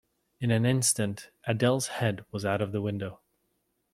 In an instant Adele's head was out of the window.